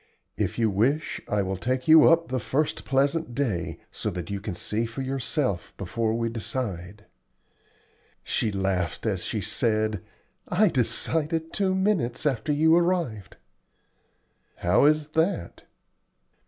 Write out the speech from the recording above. If you wish I will take you up the first pleasant day, so that you can see for yourself before we decide." She laughed as she said, "I decided two minutes after you arrived." "How is that?"